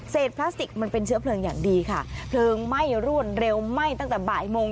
พลาสติกมันเป็นเชื้อเพลิงอย่างดีค่ะเพลิงไหม้รวดเร็วไหม้ตั้งแต่บ่ายโมง